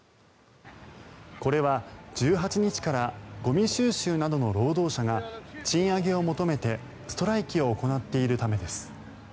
これは１８日からゴミ収集などの労働者が賃上げを求めてストライキを行っているためです。